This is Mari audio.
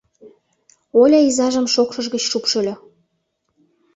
— Оля изажым шокшыж гыч шупшыльо.